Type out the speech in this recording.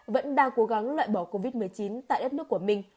vẫn đang cố gắng loại bỏ covid một mươi chín tại đất nước của mình